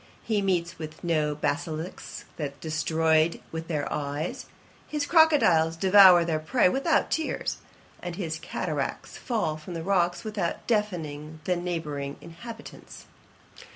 He meets with no basilisks that destroy with their eyes, his crocodiles devour their prey without tears, and his cataracts fall from the rocks without deafening the neighbouring inhabitants.